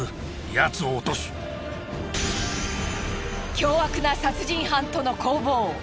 凶悪な殺人犯との攻防！